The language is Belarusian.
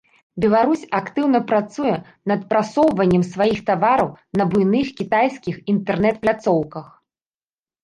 Беларусь актыўна працуе над прасоўваннем сваіх тавараў на буйных кітайскіх інтэрнэт-пляцоўках.